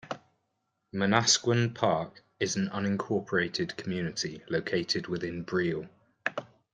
Manasquan Park is an unincorporated community located within Brielle.